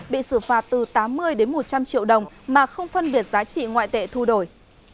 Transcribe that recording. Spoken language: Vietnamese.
bị xử phạt từ tám mươi đến một trăm linh triệu đồng mà không phân biệt giá trị ngoại tệ thu đổi